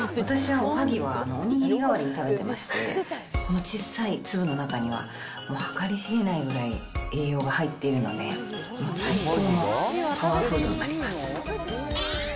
私はおはぎはおにぎり代わりに食べてまして、このちっさい粒の中には、計り知れないぐらい栄養が入っているので、もう最高のパワーフードになります。